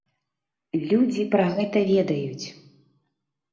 Людзі пра гэта ведаюць.